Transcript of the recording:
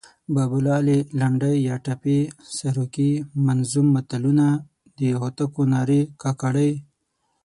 بابولالې، لنډۍ یا ټپې، سروکي، منظوم متلونه، د هوتکو نارې، کاکړۍ